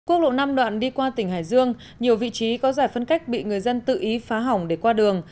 quốc lộ năm đoạn đi qua tỉnh hải dương nhiều vị trí có giải phân cách bị người dân tự ý phá hỏng để qua đường